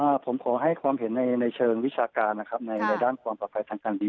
ผมขอให้ความเห็นในในเชิงวิชาการนะครับในในด้านความปลอดภัยทางการดี